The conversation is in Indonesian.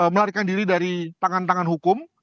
melarikan diri dari tangan tangan hukum